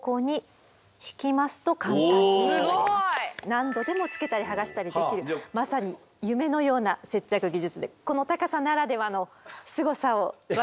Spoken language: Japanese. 何度でもつけたりはがしたりできるまさに夢のような接着技術でこの高さならではのすごさを分かって頂けたかと。